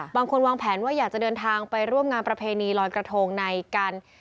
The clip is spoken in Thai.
วางแผนว่าอยากจะเดินทางไปร่วมงานประเพณีลอยกระทงในการ